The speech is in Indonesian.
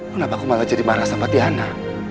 kenapa aku malah jadi marah sama tiana